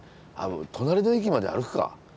隣の駅まで歩くか！